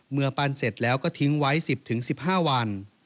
เมื่อปั้นเสร็จแล้วก็ทิ้งไว้๑๐๑๕วัน